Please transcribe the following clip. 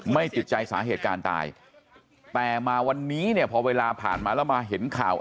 ไม่ติดใจสาเหตุการณ์ตายแต่มาวันนี้เนี่ยพอเวลาผ่านมาแล้วมาเห็นข่าว